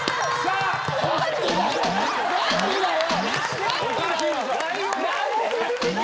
何でだよ！